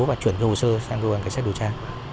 và chuyển giao hồ sơ sang cơ quan cảnh sát điều tra